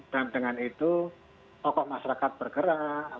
dan dengan itu tokoh masyarakat bergerak